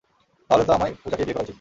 তাহলে তো আমায় পুজাকেই বিয়ে করা উচিত।